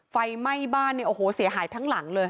ไฟไหม้บ้านเนี่ยโอ้โหเสียหายทั้งหลังเลย